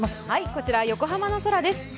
こちら横浜の空です。